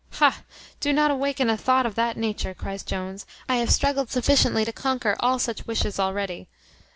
"Ha! do not awaken a thought of that nature," cries Jones: "I have struggled sufficiently to conquer all such wishes already."